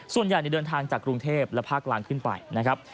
ส่วนใหญ่เดินทางจากกรุงเทพและภาคกลางขึ้นไปนะครับ